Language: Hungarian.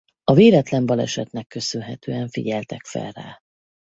A véletlen balesetnek köszönhetően figyeltek fel rá.